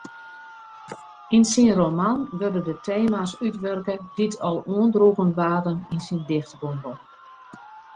Yn syn roman wurde de tema's útwurke dy't al oandroegen waarden yn syn dichtbondel.